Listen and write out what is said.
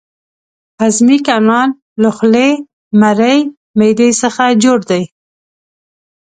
هضمي کانال له خولې، مرۍ، معدې څخه جوړ دی.